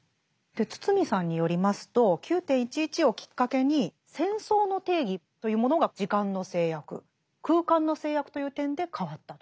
堤さんによりますと９．１１をきっかけに戦争の定義というものが「時間の制約」「空間の制約」という点で変わったと。